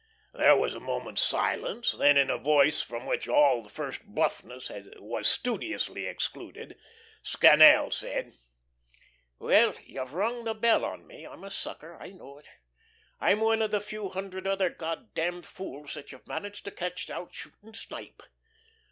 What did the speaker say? There was a moment's silence, then in a voice from which all the first bluffness was studiously excluded, Scannel said: "Well, you've rung the bell on me. I'm a sucker. I know it. I'm one of the few hundred other God damned fools that you've managed to catch out shooting snipe.